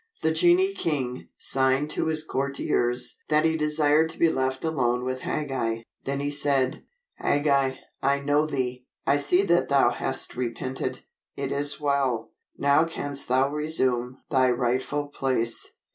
The genii king signed to his courtiers that he desired to be left alone with Hagag. Then he said: "Hagag, I know thee. I see that thou hast repented. It is well. Now canst thou resume thy rightful place."